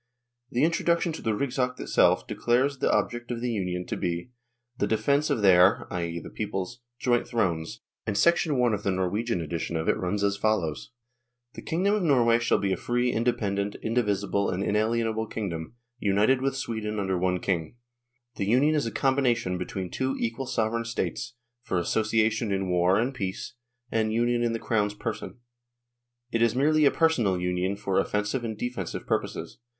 THE ACT OF UNION 25 The introduction to the " Rigsakt " itself declares the object of the Union to be " the defence of their (i.e. the peoples') joint thrones," and I of the Nor wegian edition of it runs as follows :" The kingdom of Norway shall be a free, independent ', indivisible, and inalienable kingdom, united with Sweden under one king" The Union is a combination between two equal sovereign states, for association in War and Peace and union in the Crown's person ; it is merely a personal union for offensive and defensive pur poses.